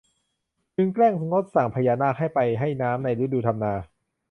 จึงแกล้งงดสั่งพญานาคให้ไปให้น้ำในฤดูทำนา